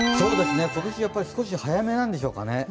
今年は少し早めなんでしょうかね。